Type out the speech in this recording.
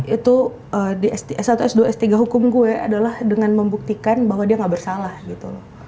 itu di s satu s dua s tiga hukum gue adalah dengan membuktikan bahwa dia nggak bersalah gitu loh